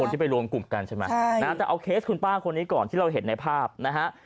ที่ไปรวมกลุ่มกันใช่ไหมใช่นะแต่เอาเคสคุณป้าคนนี้ก่อนที่เราเห็นในภาพนะฮะ